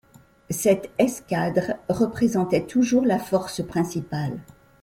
Cette escadre représentait toujours la force principale.